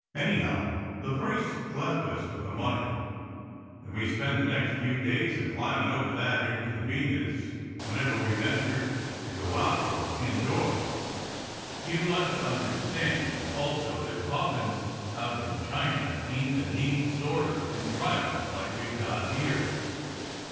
Anyhow, the priest left us with the money, and we spent the next few days a climbin' over that inconvenience when ever we ventured to go out or in doors. You must understand also that coffins out in China ain't the neat sort of contrivance like we've got here.